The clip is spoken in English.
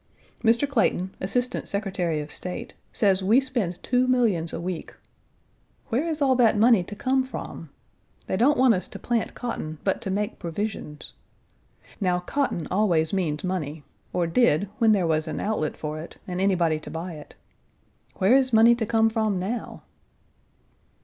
Mr. Clayton, Assistant Secretary of State, says we spend two millions a week. Where is all that money to come from? They don't want us to plant cotton, but to make provisions. Now, cotton always means money, or did when there was an outlet for it and anybody to buy it. Where is money to come from now?